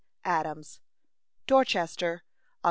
ADAMS. DORCHESTER, Oct.